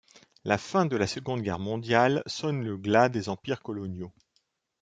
La fin de la Seconde Guerre mondiale sonne le glas des empires coloniaux.